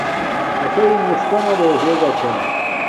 اݽݵ موݽکانہ بشے گا چھا